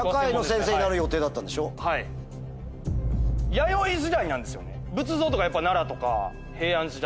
弥生時代なんですよね。